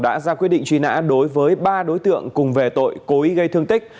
đã ra quyết định truy nã đối với ba đối tượng cùng về tội cố ý gây thương tích